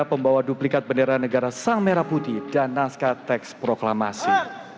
pembawa duplikat bendera negara sang merah putih dan naskah teks proklamasi